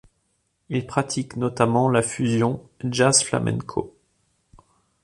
Il pratique notamment la fusion jazz-flamenco.